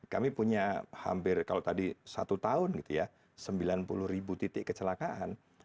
kami punya hampir kalau tadi satu tahun gitu ya sembilan puluh ribu titik kecelakaan